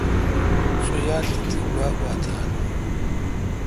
سو یال تہ تی گوا گوا تھال ؟